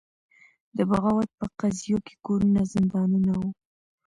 د بغاوت په قضیو کې کورونه زندانونه وو.